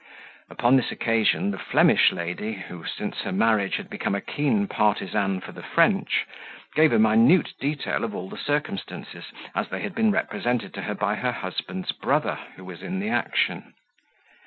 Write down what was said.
Upon this occasion, the Flemish lady, who, since her marriage, had become a keen partisan for the French, gave a minute detail of all the circumstances, as they had been represented to her by her husband's brother, who was in the action.